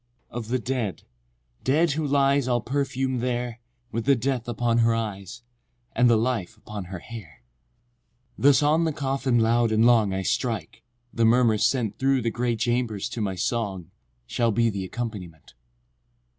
— VII. Of the dead—dead who lies All perfum'd there, With the death upon her eyes, And the life upon her hair. VIII. Thus on the coffin loud and long I strike—the murmur sent Through the grey chambers to my song, Shall be the accompaniment.